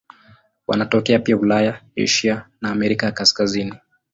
Wanatokea pia Ulaya, Asia na Amerika ya Kaskazini.